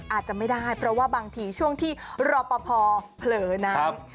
อาจจะไม่ได้เพราะว่าบางทีช่วงที่รอปภเผลอนั้น